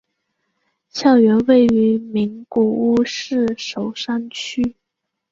校园位于名古屋市守山区。